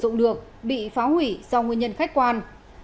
hai xe không được bị phá hủy do nguyên nhân khách quan